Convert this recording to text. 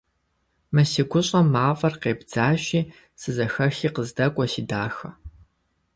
Мы си гущӏэм мафӏэр къебдзащи, сызэхэхи къыздэкӏуэ, си дахэ!